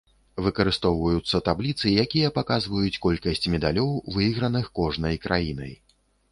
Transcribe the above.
Выкарыстоўваюцца табліцы, якія паказваюць колькасць медалёў, выйграных кожнай краінай.